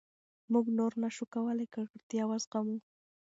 موږ نور نه شو کولای ککړتیا وزغمو.